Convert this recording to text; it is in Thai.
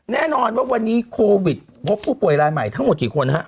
แน่นอนว่าวันนี้โควิดพบผู้ป่วยรายใหม่ทั้งหมดกี่คนฮะ